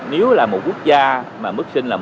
nếu là một quốc gia mà mức sinh là một